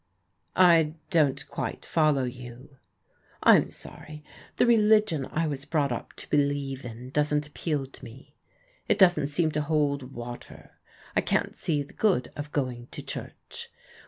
" I don't quite follow you." " I'm sorry. The religion I was brought up to believe in doesn't appeal to me. It doesn't seem to hold water. I can't see the good of going to church.